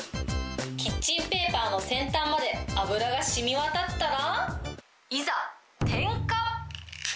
キッチンペーパーの先端まで油が染み渡ったら。